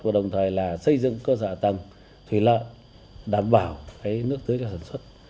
và đồng thời là xây dựng cơ sở tầng thủy lợi đảm bảo nước tưới cho sản xuất